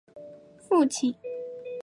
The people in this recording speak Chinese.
父亲厍狄峙。